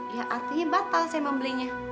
ya artinya batal saya mau belinya